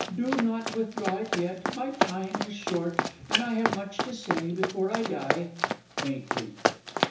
Do not withdraw it yet my time is short, And I have much to say before I die. (_Faintly.